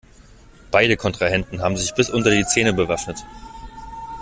Beide Kontrahenten haben sich bis unter die Zähne bewaffnet.